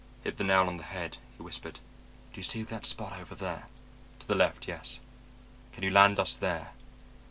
"Hit the nail on the head," he whispered. "Do you see that spot over there? To the left, yes. Can you land us there?"